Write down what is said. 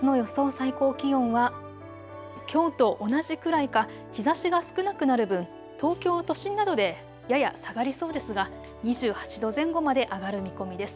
最高気温はきょうと同じくらいか日ざしが少なくなる分、東京都心などでやや下がりそうですが２８度前後まで上がる見込みです。